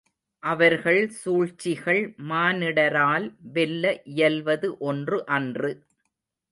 அவர்கள் சூழ்ச்சிகள் மானிடரால் வெல்ல இயல்வது ஒன்று அன்று.